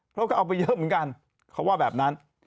เพราะก็เอาไปเยอะเหมือนกันเขาว่าแบบนั้น